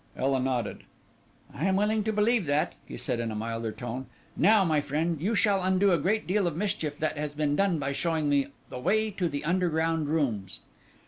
Ela nodded. "I am willing to believe that," he said in a milder tone. "Now, my friend, you shall undo a great deal of mischief that has been done by showing me the way to the underground rooms."